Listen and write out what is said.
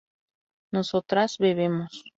nosotras bebemos